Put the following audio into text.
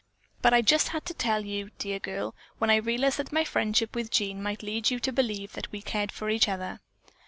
"But I just had to tell you, dear girl, when I realized that my friendship with Jean might lead you to believe that we cared for each other."